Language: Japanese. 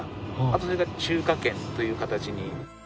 あとそれから中華圏という形に。